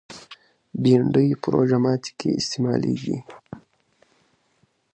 بېنډۍ په روژه ماتي کې استعمالېږي